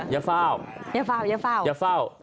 อย่าเฝ้าอย่าเฝ้าอย่าเฝ้า